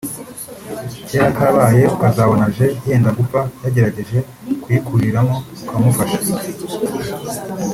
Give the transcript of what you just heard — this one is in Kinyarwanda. kera kabaye ukazabona aje yenda gupfa yagerageje kuyikuriramo ukamufasha